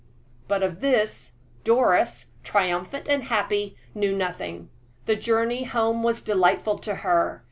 But of this, Doris, triumphant and happy, knew nothing. That journey home was delightful to her.